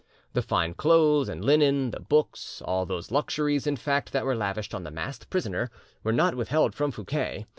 The fine clothes and linen, the books, all those luxuries in fact that were lavished on the masked prisoner, were not withheld from Fouquet.